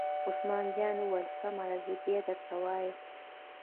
عثمان جان وویل: سمه ده زه بیا درته وایم.